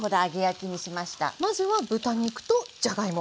まずは豚肉とじゃがいも